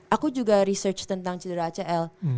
aku juga research tentang cedera acl